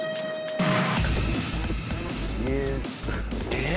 えっ！？